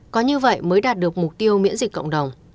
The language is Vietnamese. có như vậy mới đạt được mục tiêu miễn dịch cộng đồng